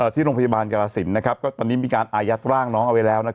ที่โรงพยาบาลกรสินตอนนี้มีการอายัดร่างน้องเอาไว้แล้ว